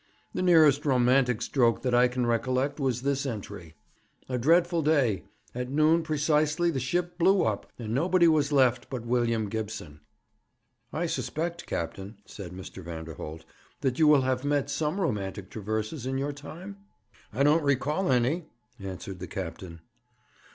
'The nearest romantic stroke that I can recollect was this entry: "A dreadful day. At noon precisely the ship blew up, and nobody was left but William Gibson."' 'I suspect, captain,' said Mr. Vanderholt, 'that you will have met with some romantic traverses in your time?' 'I don't recall any,' answered the captain.